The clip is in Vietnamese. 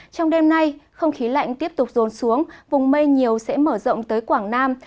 trong đêm nay không khí lạnh tiếp tục rồn xuống vùng mây nhiều sẽ mở rộng tới quảng nam